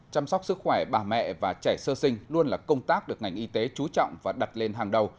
chăm sóc sức khỏe bà mẹ và trẻ sơ sinh luôn là công tác được ngành y tế trú trọng và đặt lên hàng đầu